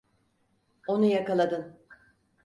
Onu yakaladın.